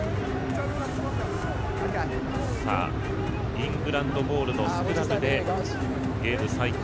イングランドボールのスクラムで、ゲーム再開。